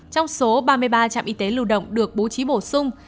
trong số ba mươi ba trạm y tế lưu động được bố trí bổ sung